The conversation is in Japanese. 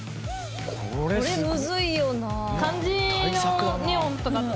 これむずいよなあ。